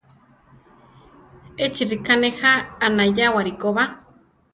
Échi ríka nejá anayáwari koba.